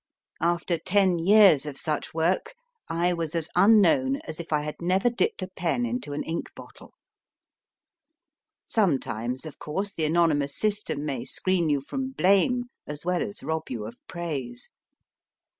After ten years of such work I was as unknown as if I had never dipped a pen into an ink bottle. Sometimes, of course, the anonymous system may screen you from blame as well as rob you of praise.